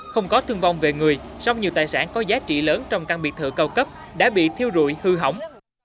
không có thương vong về người song nhiều tài sản có giá trị lớn trong căn biệt thự cao cấp đã bị thiêu rụi hư hỏng